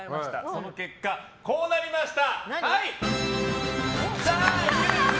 その結果、こうなりました！